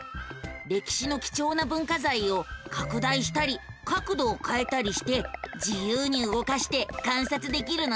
歴史の貴重な文化財を拡大したり角度をかえたりして自由に動かして観察できるのさ。